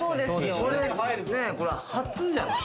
これ初じゃない？